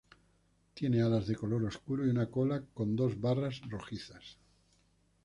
Tiene alas de color oscuro y una cola con dos barras rojizas.